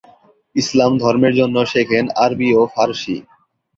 ইসলাম ধর্মের জন্য শেখেন আরবি ও ফারসি।